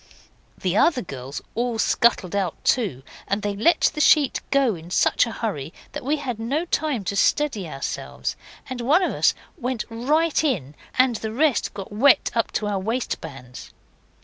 The other girls all scuttled out too, and they let the sheet go in such a hurry that we had no time to steady ourselves, and one of us went right in, and the rest got wet up to our waistbands.